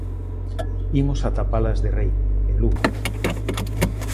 Imos ata Palas de Rei, en Lugo.